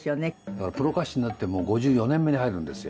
だからプロ歌手になってもう５４年目に入るんですよ。